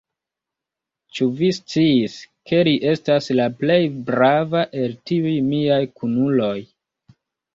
Ĉu vi sciis, ke li estas la plej brava el tiuj miaj kunuloj?